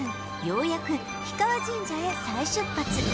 ようやく氷川神社へ再出発